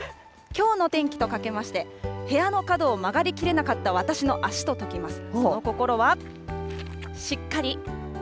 きょうの天気とかけまして、部屋の角を曲がり切れなかった私の足とときます。